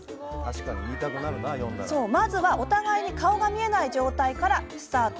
まずは、お互いに顔が見えない状態からスタート。